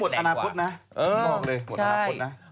เขาหมดอนาคตนะหมดอนาคตนะ